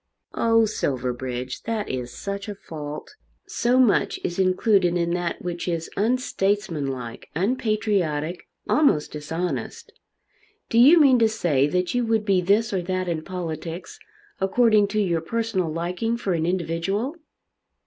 "Oh, Silverbridge, that is such a fault! So much is included in that which is unstatesmanlike, unpatriotic, almost dishonest! Do you mean to say that you would be this or that in politics according to your personal liking for an individual?"